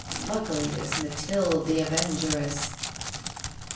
luckily there's Mathilde the Avengeress!